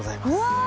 うわ！